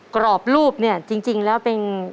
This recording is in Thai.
กรอบรูปเนี่ยจริงแล้วเป็น